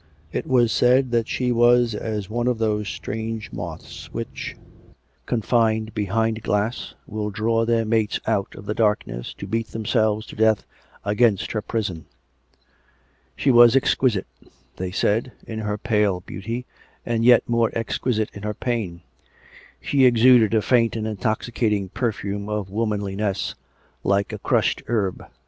It was said that she was as one of those strange moths which, confined behind glass, will draw their mates out of the darkness to beat themselves to death against her prison; she was exquisite, they said, in her pale beauty, and yet more exquisite in her pain; she exuded a faint and intoxi cating perfume of womanliness, like a crushed herb.